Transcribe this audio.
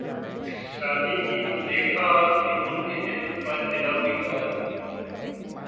شادی کی تو دیکھا کہ ان کے جسم پراضافی بال